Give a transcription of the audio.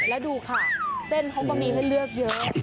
แล้วดูค่ะเส้นของบะหมี่ให้เลือกเยอะ